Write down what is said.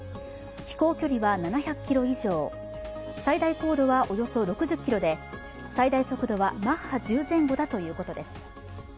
飛行距離は７００ｋｍ以上最大高度はおよそ６０ｋｍで最大速度はマッハ１０前後だということです。